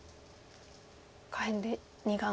下辺で２眼。